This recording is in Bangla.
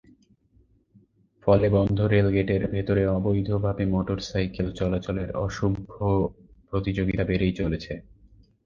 ফলে বন্ধ রেলগেটের ভেতরে অবৈধভাবে মোটরসাইকেল চলাচলের অশুভ প্রতিযোগিতা বেড়েই চলেছে।